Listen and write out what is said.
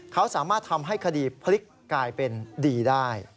เขาสามารถทำให้คดีพลิกกลายเป็นดีได้